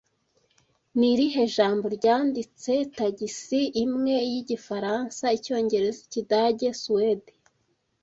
Ni irihe jambo ryanditse Tagisi imwe y'Igifaransa, Icyongereza, Ikidage, Suwede